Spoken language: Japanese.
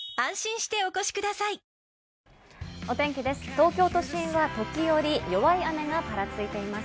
東京都心は時折弱い雨がぱらついています。